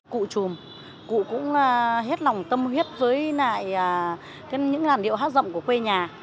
cụ trùm cụ cũng hết lòng tâm huyết với những làn điệu hát giọng của quê nhà